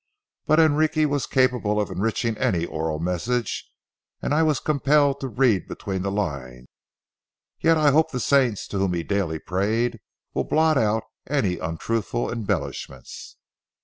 But Enrique was capable of enriching any oral message, and I was compelled to read between the lines; yet I hope the saints, to whom he daily prayed, will blot out any untruthful embellishments.